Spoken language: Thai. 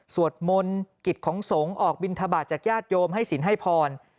สวดมนต์กิจของสงฆ์ออกบินทบาทจากญาติโยมให้ศิลป์ให้พร